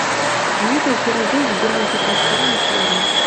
Некалькі разоў выбіраўся паслом на соймы.